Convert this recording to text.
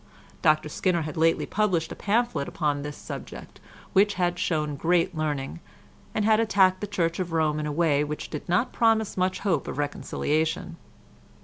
Dr Skinner had lately published a pamphlet upon this subject, which had shown great learning, and had attacked the Church of Rome in a way which did not promise much hope of reconciliation.